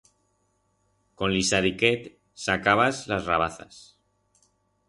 Con l'ixadiquet sacabas las rabazas.